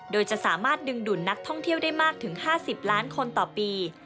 โดยจะสามารถดึงดูดนักท่องเที่ยวได้มากถึง๕๐ล้านคนต่อปี